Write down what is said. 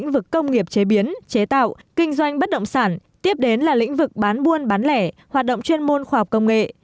lĩnh vực công nghiệp chế biến chế tạo kinh doanh bất động sản tiếp đến là lĩnh vực bán buôn bán lẻ hoạt động chuyên môn khoa học công nghệ